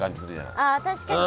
あ確かに。